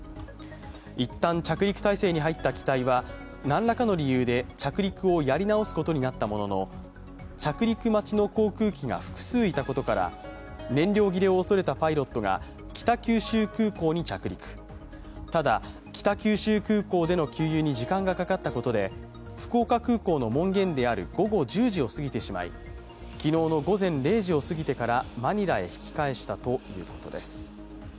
一旦、着陸態勢に入った機体はなんらかの理由で着陸をやり直すことになったものの着陸待ちの航空機が複数いたことから燃料切れを恐れたパイロットが北九州空港に着陸、ただ、北九州空港での給油に時間がかかったことで、福岡空港の門限である午後１０時を過ぎてしまい昨日の午前０時を過ぎてから、マニラへ引き返したということです。